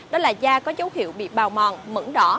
đó là da có dấu hiệu bị bào mòn mẫn đỏ